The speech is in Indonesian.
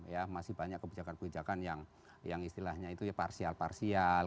ya masih banyak kebijakan kebijakan yang istilahnya itu ya parsial parsial